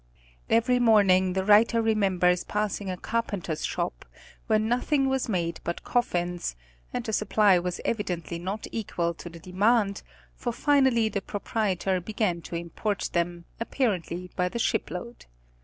Every morning, the writer remembers passing a carpenter's shop where nothing was made but coffins, and the supply was evidently not equal to the demand, for finally the proprietor began to import them, apparently by the ship load.